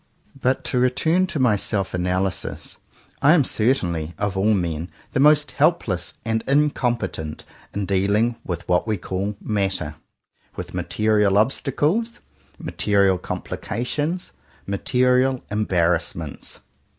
But to return to my self analysis. I am certainly, of all men, the most helpless and incompetent in dealing with what we call *'matter," with material obstacles, material complications, material embarrassments.